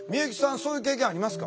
そういう経験ありますか？